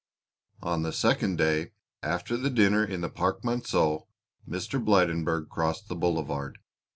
On the second day after the dinner in the Parc Monceau, Mr. Blydenburg crossed the boulevard.